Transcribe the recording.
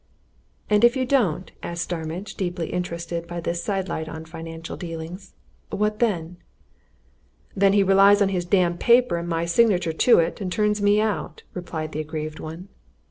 "And if you don't?" asked Starmidge, deeply interested by this sidelight on financial dealings. "What then?" "Then he relies on his damn paper and my signature to it, and turns me out!" replied the aggrieved one.